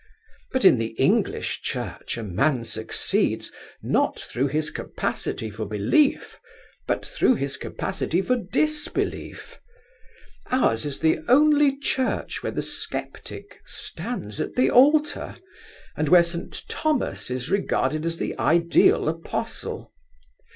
But in the English Church a man succeeds, not through his capacity for belief, but through his capacity for disbelief. Ours is the only Church where the sceptic stands at the altar, and where St. Thomas is regarded as the ideal apostle.